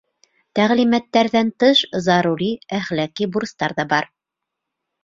Тәғлимәттәрҙән тыш, зарури әхлаҡи бурыстар ҙа бар.